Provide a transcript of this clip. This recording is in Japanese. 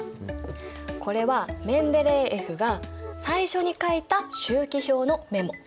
これはメンデレーエフが最初に書いた周期表のメモ。